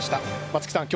松木さん